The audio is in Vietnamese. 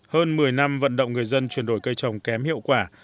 hơn một mươi năm vận động người dân chuyển đổi cây trồng kém hiệu quả